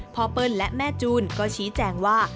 เปิ้ลและแม่จูนก็ชี้แจงว่า